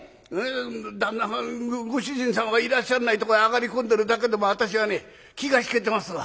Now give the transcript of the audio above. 旦那さんご主人様がいらっしゃらないとこへ上がり込んでるだけでも私はね気が引けてますわ。